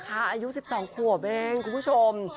อายุ๑๒ขวบเองคุณผู้ชม